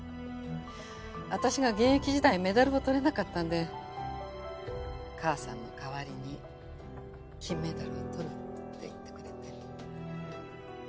私が現役時代メダルをとれなかったんで母さんの代わりに金メダルをとるって言ってくれて。